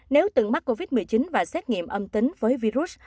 nếu từng mắc covid một mươi chín và xét nghiệm âm tính với virus